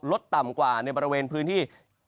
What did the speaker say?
ต่ำกว่าในบริเวณพื้นที่